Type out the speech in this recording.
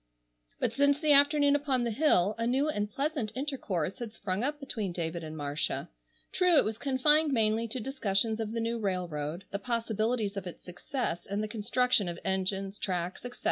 But since the afternoon upon the hill a new and pleasant intercourse had sprung up between David and Marcia. True it was confined mainly to discussions of the new railroad, the possibilities of its success, and the construction of engines, tracks, etc.